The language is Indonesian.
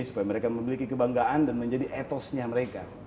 supaya mereka memiliki kebanggaan dan menjadi etosnya mereka